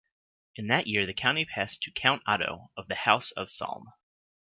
In that year, the county passed to Count Otto, of the House of Salm.